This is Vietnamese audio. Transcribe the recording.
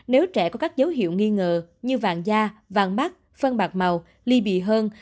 nếu trẻ có các dấu hiệu nghi ngờ như vàng da vàng mắt phân bạc màu ly bì hơn